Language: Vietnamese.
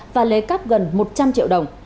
và lấy cắp gần một trăm linh triệu đồng